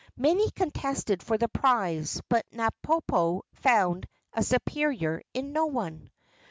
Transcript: Many contested for the prize, but Napopo found a superior in no one.